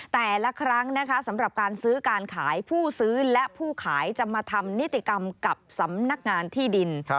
แต่ละครั้งนะคะสำหรับการซื้อการขายผู้ซื้อและผู้ขายจะมาทำนิติกรรมกับสำนักงานที่ดิน